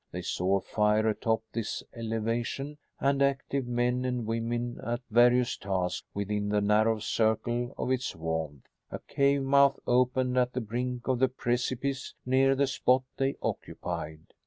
They saw a fire atop this elevation and active men and women at various tasks within the narrow circle of its warmth. A cave mouth opened at the brink of the precipice near the spot they occupied.